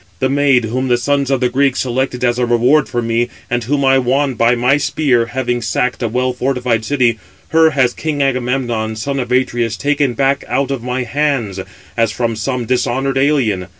The maid whom the sons of the Greeks selected as a reward for me, and [whom] I won by my spear, having sacked a well fortified city, her has king Agamemnon, son of Atreus, taken back out of my hands, as from some dishonoured alien.